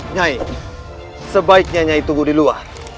nyai sebaiknya nyai tubuh di luar